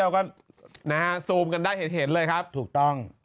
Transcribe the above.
ก็นะฮะซูมกันได้เห็นเลยครับถูกต้อง